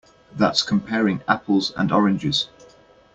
That's comparing apples and oranges.